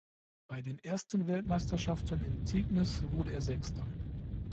Bei den ersten Weltmeisterschaften in Tignes wurde er Sechster.